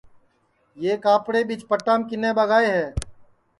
یہ کاپڑے ٻیچ پٹام کِنے ٻگائے ہے